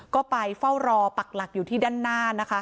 ก็ไปเฝ้ารอปักหลักอยู่ที่ด้านหน้านะคะ